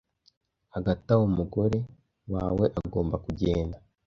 hagati aho umugore wawe agomba kugenda